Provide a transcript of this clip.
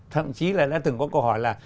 thậm chí là đã từng có câu hỏi là